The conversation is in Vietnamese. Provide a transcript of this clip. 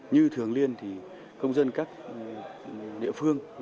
như thường liên công dân các địa phương